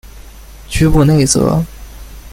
屈布内泽。